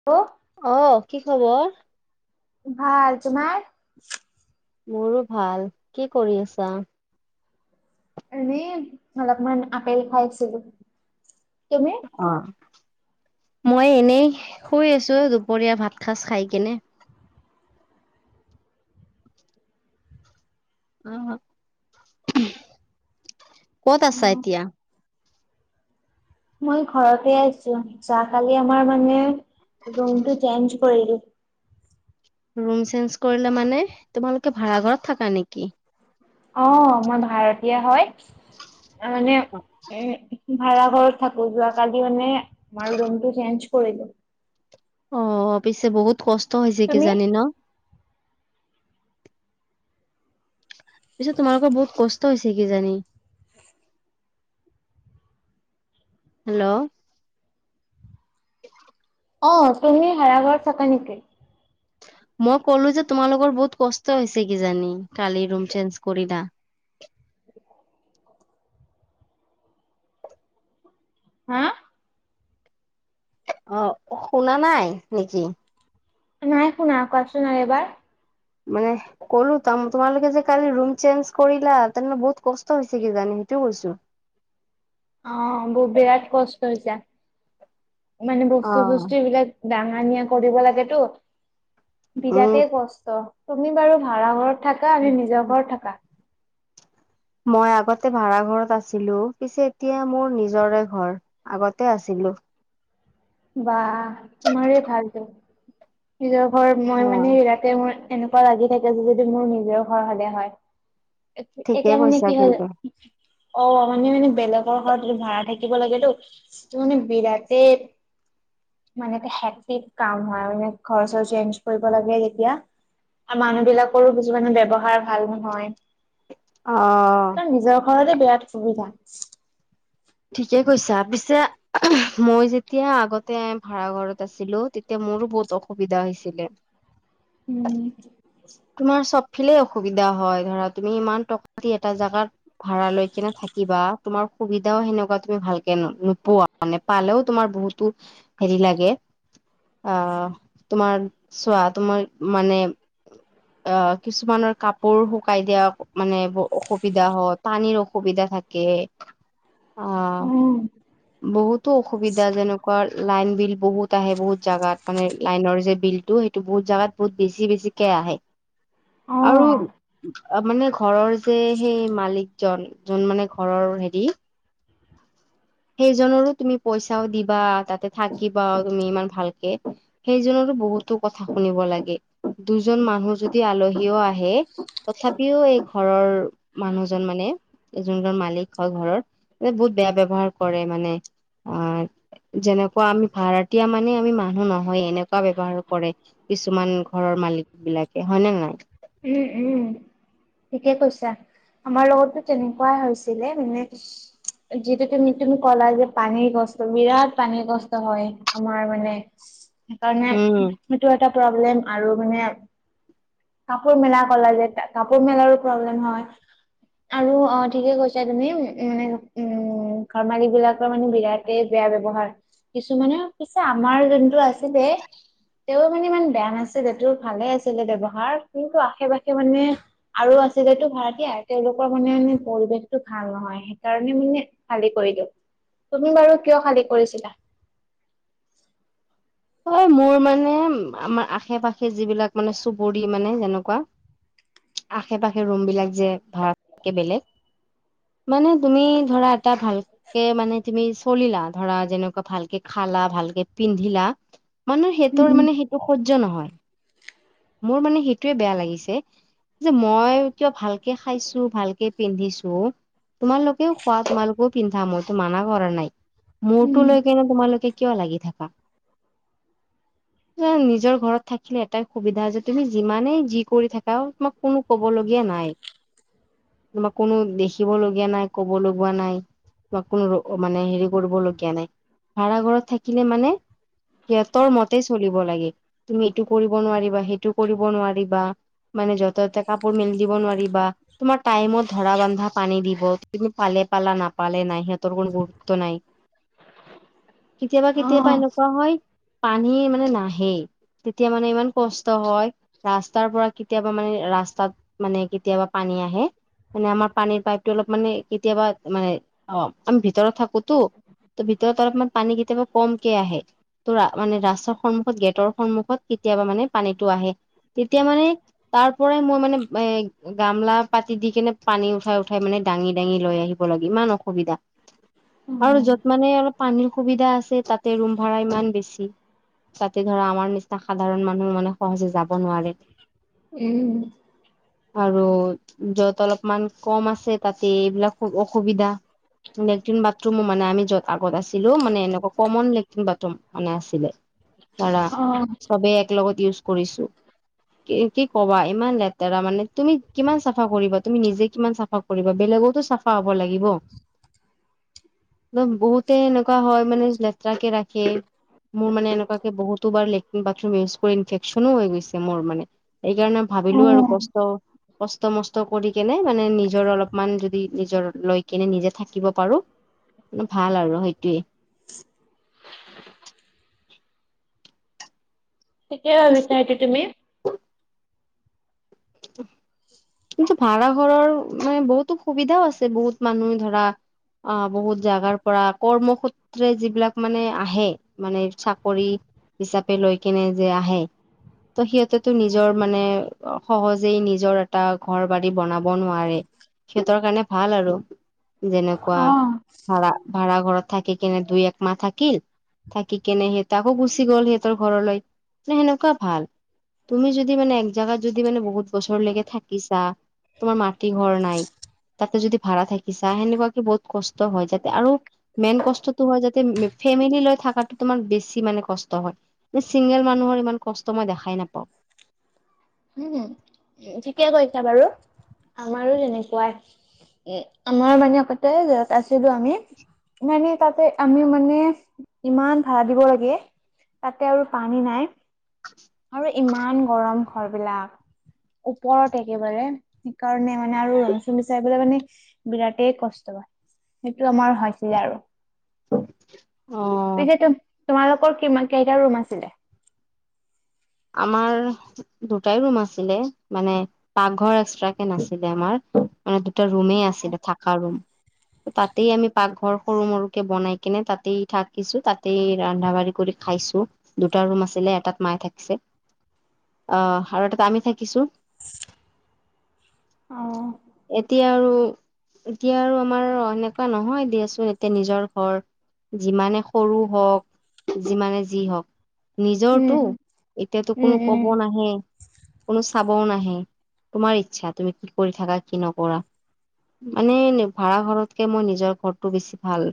ক? অ', কি খবৰ? ভাল। তোমাৰ? মোৰো ভাল। কি কৰি আছা? এনেই অলপমান আপেল খাইছিলোঁ। তুমি? অহ', মই এনেই শুই আছো দুপৰীয়া ভাত খাজ খাই কেনে। আহ', ক'ত আছা উম এতিয়া? মই ঘৰতে আছো যাকালি আমাৰ মানে ৰুমটো চেঞ্জ কৰিলোঁ। ৰুম চেঞ্জ কৰিলে মানে তোমালোকে ভাড়া ঘৰত থাকা নেকি? অ', মই ভাৰতীয় হয়, মানে উম- ভাড়া ঘৰত থাকো যোৱা কালি মানে আমাৰ ৰুমটো চেঞ্জ কৰিলো। অ', -অ', - পিছে বহুত কষ্ট হৈছে তুমি কিজানি ন। পিছে তোমালোকৰ বহুত কষ্ট হৈছে কিজানি। হেল্ল'। অ' তুমি ভাড়াঘৰত থাকা নেকি? মই ক'লো যে তোমালোকৰ বহুত কষ্ট হৈছে কিজানি কালি ৰুম চেঞ্জ কৰিলা। হাঁ? অহ', - শুনা নাই নেকি? নাই শুনা, কওঁকচোন এইবাৰ? মানে- ক'লো তোমালোকে যে কালি ৰুম চেঞ্জ কৰিলা তেনেহ'লে বহুত কষ্ট হৈছে কি জানি সেইটোও কৈছো। অঁহ', -বেয়া বিৰাট কষ্ট হৈছে মানে বস্তু-চস্তু বিলাক- দাঙা নিয়া কৰিব লাগেটো উম। বিৰাটেই কষ্ট। তুমি বাৰু ভাড়া ঘৰত- থাকা নে নিজৰ ঘৰত থাকা? মই আগতে ভাড়া ঘৰত আছিলো পিছে এতিয়া মোৰ নিজৰে ঘৰ। আগতে আছিলোঁ। বাহ, তোমাৰ ভালটো নিজৰ ঘৰ। মই মানে ইয়া- তে মোৰ এনেকুৱা লাগি থাকে যে যদি মোৰ নিজৰ ঘৰ হ'লে হয়। ঠিকে এতিয়া মানে কৈছা কি হ'ল- কিন্তু অ' মানে-মানে বেলেগৰ ঘৰত এইটো ভাড়া থাকিব লাগে তো যিটো মানে বিৰাটেই- মানে হেপি কাম হয় আৰু মানে ঘৰ-চৰ চেঞ্জ কৰিব লাগে যেতিয়া। আৰু মানুহ বিলাকৰো কিছুমানে ব্যৱহাৰ ভাল নহয়। অ। নিজৰ ঘৰতে বিৰাট সুবিধা। ঠিকে কৈছা, পিছে মই যেতিয়া আগতে ভাড়া ঘৰত আছিলো, তেতিয়া মোৰো বহুত অসুবিধা হৈছিলে। উম, তোমাৰ চব ফিলে অসুবিধা হয়, ধৰা তুমি ইমান টকা দি এটা জোগাত ভাড়া লৈ কেনে থাকিবা, তোমাৰ সুবিধাও সেনেকুৱা তুমি ভালকে নো, নোপোৱা। মানে পালেও, তোমাৰ বহুতো হেৰি লাগে। অ, তোমাৰ চোৱা, তোমাৰ মানে অ, কিছুমানৰ কাপোৰ শুকাই দিয়া, মানে অসুবিধা হয়ও, পানীৰ অসুবিধা থাকে। অ, উম উম বহুতো অসুবিধা যেনেকুৱা, লাইন বিল বহুত আহে, বহুত জাগাত মানে লাইনৰ যে বিলতটো সেই বহুত জাগাত বহুত বেছি, বছিকে আহে। আৰু অ মানে ঘৰৰ যে সেই মালিকজন, যোন মানে ঘৰৰ হেৰি সেইজনৰো তুমি পইচাও দিবা, তাতে থাকিবা তুমি ইমান ভালকে। সেই জনৰো, বহুতো কথা শুনিব লাগে। দুজন মানুহ যদি আলহীও, আহে তথাপিও এই ঘৰৰ মানুহজন মানে যোনজন মালিক হয়, ঘৰৰ বহুত বেয়া ব্যৱহাৰ কৰে মানে। অ, যেনেকুৱা আমি ভাৰতীয় মানে আমি মানুহ নহয়, এনেকুৱা ব্যৱহাৰ কৰে। কিছুমান ঘৰৰ মালিক বিলাকে, হয় নে নাই? উম, উম, ঠিকে কৈছা, আমাৰ লগতো তেনেকুৱাই হৈছিলে মানে যিটো তুমি, তুমি, ক'লা যে পানীৰ কষ্ট, বিৰাট পানীৰ কষ্ট হয়। আমাৰ মানে সেইকাৰণে উম সেইটো এটা প্ৰব্লেম, আৰু মানে কাপোৰ মেলা কলা যে, কাপোৰ মেলাৰো প্ৰব্লেম হয়। আৰু অ, ঠিকে কৈছা, তুমি উম, মানে উম, ঘৰ মালিক বিলাকৰ মানে বিৰাট ত, বেয়া ব্যৱহাৰ কিছুমানে পিছে, আমাৰ যোনটো আছিলে। তেওঁ মানে ইমান বেয়া নাছিলে, তোৰ ভালে আছিলে ব্যৱহাৰ কিন্তু আশে-পাশে মানে আৰু আছিলে টো ভাৰতীয় তেওঁলোকৰ মানে মে পৰিৱেশতটো ভাল নহয়। সেইকাৰণে মানে, খালী কৰি দিওঁ তুমি বাৰু কিয় খালী কৰিছিলা? হয় মোৰ মানে, আমাৰ আশে-পাশে যিবিলাক মানে চুবৰি, মানে যেনেকুৱা। আশে-পাশে ৰুম বিলাক যে, ভাড়া থাকে বেলেগ। মানে তুমি ধৰা এটা ভাল কে, মানে তুমি চলিলাধৰা যেনেকুৱা ভালকে খালা, ভালকে পিন্ধিলা। মানুহ সিহঁতৰ উম মানে সেইটো সহ্য নহয়, মোৰ মানে সেইটোৱে বেয়া লাগিছে। যে, মই কিয় ভালকে খাইছো ভালকে পিন্ধিছো। তোমালোকেও খোৱা, তোমালোকেও পিন্ধা মইতো মানা কৰা নাই। মূৰটো উম লৈ কেনে, তোমালোকে কিয় লাগি থাকা? নিজৰ ঘৰত থাকিলে এটাই সুবিধা, যে তুমি যিমানেই যি কৰি থাকা তোমাক কোনো কব লগীয়া নাই। তোমাক কোনো, দেখিব লগীয়া নাই, কব লগা নাই। বা কোনো ৰ মানে হেৰি কৰিবলগীয়া নাই, ভাড়া ঘৰত থাকিলে মানে সিহঁতৰ মতে চলিব লাগে, তুমি এইটো কৰিব নোৱাৰিবা সেইটো কৰিব নোৱাৰিবা। মানে যত-ততে কাপোৰ মেলি দিব নোৱাৰি বা। তোমাৰ টাইমত ধৰা-বান্ধা পানী দিব, তুমি পালে, পালা নাপালে নাই, সিহঁতৰ কোনো গুৰুত্ব নাই। কেতিয়াবা, অ কেতিয়াবা এনেকুৱা হয় পানী মানে নাহেই। তেতিয়া মানে, ইমান কষ্ট হয়। ৰাস্তাৰ পৰা কেতিয়াবা মানে, ৰাস্তাত মানে কেতিয়াবা পানী আহে। মানে আমাৰ পানীৰ পাইপটো অলপ মানে কেতিয়াবা মানে অ আমি ভিতৰত থাকোতো ত' ভিতৰত অলপমান পানী কেতিয়াবা কমকে আহে। ত ৰা মানে ৰাস্তাৰ সন্মুখত গেটৰ সন্মুখত কেতিয়াবা মানে পানীটো আহে তেতিয়া মানে তাৰ পৰাই মই মানে এ গামলা পাতি দি কেনে পানী উঠাই- উঠাই মানে দাঙি- দাঙি লৈ আহি ব লাগি, ইমান অসুবিধা অ আৰু যত মানে আৰু পানীৰ সুবিধা আছে তাতে ৰোম ভাড়া ইমান বেছি। তাতে ধৰা আমাৰ নিচিনা সাধাৰণ মানুহ মানে সহজে যাব নোৱাৰে। উম। [inaudible] আৰু য'ত অলপমান কম আছে তাতে এইবিলাক খুব অসুবিধা। লেট্ৰিন, বাথৰুমো মানে আমি য'ত আগত আছিলো মানে এনেকা কমন লেট্ৰিন বাথৰুম মানে আছিলে দাৰা অ চবে একলগত ইউজ কৰিছো। কি কি কবা? ইমান লেতেৰা মানে তুমি কিমান চাফা কৰিবা তুমি নিজে কিমান চাফা কৰিব, বেলেগওতো চাফা হ'ব লাগিব। মানে বহুতে এনেকুৱা হয় মানে লেতৰাকে ৰাখে। মোৰ মানে এনেকুৱাকে বহুতোবাৰ লেট্ৰিন, বাথৰুম ইউজ কৰি ইনফেকচনো হৈ গৈছে মোৰ মানে সেইকাৰণে অ ভাবিলো আৰু কষ্ট কষ্ট - মষ্ট কৰি কিনে মানে নিজৰ অলপমান যদি নিজৰ লৈ কিনে নিজে থাকিব পাৰো অ ভাল আৰু সেইটোয়ে। কেতিয়া ভাবিচা এইটো তুমি? [inaudible] কিন্তু ভাড়া ঘৰৰ মানে বহুতো সুবিধাও আছে, বহুত মানুহ ধৰা অ, বহুত জাগাৰ পৰা কৰ্মসূত ত্ৰে যিবিলাক মানে আহে, মানে চাকৰি হিচাপে লৈ কেনে যে আহে ত, সিহঁতেতো নিজৰ মানে অ' সহজেই নিজৰ এটা ঘৰ, বাৰী বনাব নোৱাৰে, সিহঁতৰ কাৰণে ভাল আৰু। যেনেকুৱা অ ভাৰা, ভাৰা ঘৰত থাকি কিনে দুই, একমাহ থাকিল থাকি কেনে সিহঁত আকৌ গুচি গ'ল সিহঁতৰ ঘৰলৈ মানে সেনেকুৱা ভাল। তুমি যদি মানে এক জাগাত যদি মানে বহুত বছৰলৈকে থাকিছা, তোমাৰ মাটি ঘৰ নাই তাতে যদি ভাড়া থাকিছা সেনেকুৱাকে বহুত কষ্ট হয় যাতে আৰু মেইন কষ্টটো হয় যাতে মে ফেমিলি লৈ থাকাটো তোমাৰ বেছি মানে কষ্ট হয়। তে চিংগেল মানুহৰ ইমান কষ্ট মই দেখাই নাপাওঁ। হ [inaudible] ঠিকে কৈছা বাৰু, আমাৰো তেনেকুৱাই। এ, আমাৰ মানে আগতে য'ত আছিলো আমি নাই, নাই তাতে আমি মানে ইমান ভাড়া দিব লাগে তাতে আৰু পানী নাই [inaudible] আৰু ইমান গৰম ঘৰবিলাক ওপৰত একেবাৰে, সেইকাৰণে মানে আৰু ৰোম - চুম চাই পেলাই মানে বিৰাটেই কষ্ট হয়, সেইটো আমাৰ হৈছিল আৰু। অহ। পিছেতো তোমালোকৰ কিমান কেইটা ৰুম আছিলে? আমাৰ দুটাই ৰুম আছিলে, মানে পাকঘৰ এক্সট্ৰাকে নাছিলে আমাৰ। মানে দুটা ৰুমে আছিলে, থাকা ৰুম। তাতেই আমি পাকঘৰ সৰু, সৰুকে বনাই কিনে, তাতেই থাকিছো, তাতেই ৰান্ধা বাঢ়ি কৰি খাইছো দুটা ৰুম আছিলে, এটাত মায়ে থাকিছে। আহ, আৰু এটাত আমি থাকিছো অ এতিয়া আৰু এতিয়া আৰু আমাৰ এনেকুৱা নহয় দিয়াচোন এতিয়া নিজৰ ঘৰ। যিমানে সৰু হওক, যিমানে যি হওক উম নিজৰটো। এতিয়াতো উম কোনো ক'ব উম নাহে। কোনো চাবও নাহে, তোমাৰ ইচ্ছা তুমি কি কৰি থাকা, কি নকৰা মানে ভাড়া ঘৰতকে, মই নিজৰ ঘৰটো বেছি ভাল।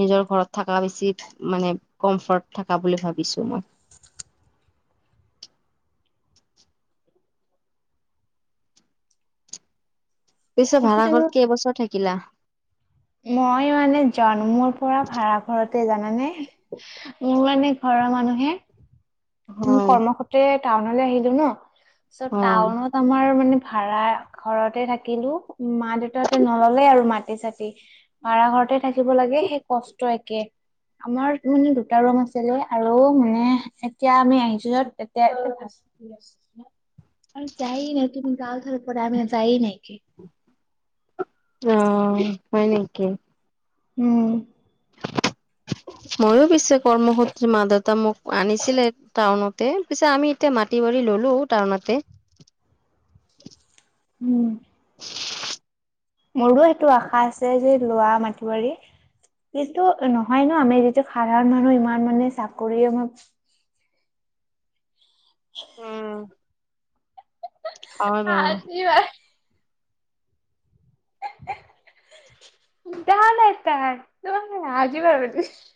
নিজৰ ঘৰত থকা, বেছি মানে কমফৰ্ট থকা বুলি ভাবিছো মই। পিছত ভাড়া সেইটো ঘৰত কেইবছৰ থাকিলা? মই মানে জন্মৰ পৰা ভাৰা ঘৰতে জানানে। মোৰ মানে ঘৰৰ মানুহে আমি হয় কৰ্মসূত্ৰে টাউনলৈ আহিলো ন, চ', অ টাউনত আমাৰ মানে ভাড়া ঘৰতে থাকিলো মা, দেউতাহতে নললে আৰু মাটি, চাতি। ভাৰা ঘৰতে থাকিব লাগে, সেই কষ্ট একে। আমাৰ মানে দুটা ৰুম আছিলে, আৰু মানে এতিয়া আমি আহিছো য'ত এতিয়া [inaudible] অ' হয় নেকি। উম। ময়ো পিছে, কৰ্মসূত্ৰে মা, দেউতা মোক আনিছিলে। টাউনতে, পিছে আমি এতিয়া মাটি বাৰী ললো টাউনতে। উম। মোৰো সেইটো আশা আছে যে লোৱা মাটি বাৰী। কিন্তু নহয় ন আমি যিটো সাধাৰণ মানুহ ইমান মানে চাকৰি আম উম। হয় বাৰু [unintelligible] [unintelligible]